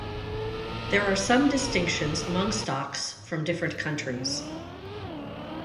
There are some distinctions among stocks from different countries.